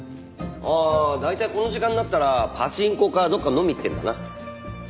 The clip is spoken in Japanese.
ああ大体この時間になったらパチンコかどっか飲み行ってるかな。